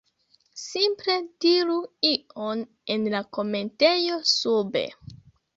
simple diru ion en la komentejo sube